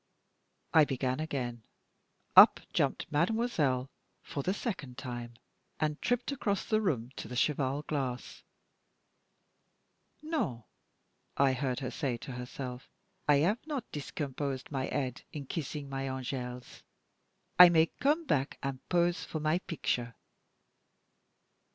I began again. Up jumped mademoiselle for the second time, and tripped across the room to a cheval glass. "No!" I heard her say to herself, "I have not discomposed my head in kissing my angels. I may come back and pose for my picture."